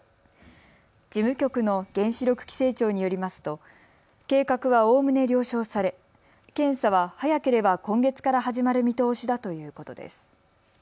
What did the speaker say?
事務局の原子力規制庁によりますと計画はおおむね了承され検査は早ければ今月から始まる見通しだということです。